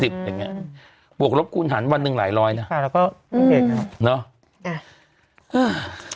บวกลบคูณหันวันหนึ่งหลายร้อยนะเนี่ยเนาะอืม